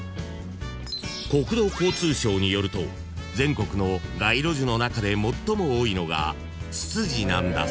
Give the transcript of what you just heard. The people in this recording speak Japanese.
［国土交通省によると全国の街路樹の中で最も多いのがツツジなんだそう］